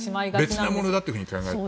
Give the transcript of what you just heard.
別のものだと考える。